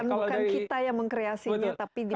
bukan kita yang mengkreasinya tapi